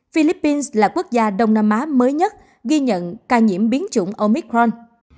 philippines là quốc gia đông nam á mới nhất ghi nhận ca nhiễm biến chủng omicron